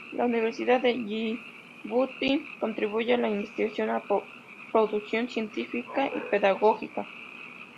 La Universidad de Yibuti contribuye a la investigación, a la producción científica y pedagógica.